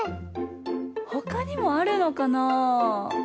ほかにもあるのかな？